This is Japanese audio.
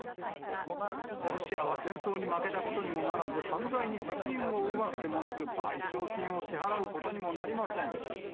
ロシアは戦争に負けたことにもならず、犯罪に責任を負うわけでもなく、賠償金を支払うことにもなりません。